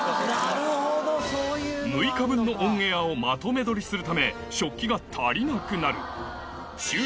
６日分のオンエアをまとめ撮りするため食器が足りなくなる皆さん